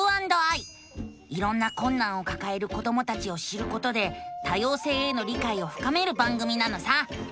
いろんなこんなんをかかえる子どもたちを知ることで多様性への理解をふかめる番組なのさ！